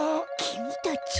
きみたち。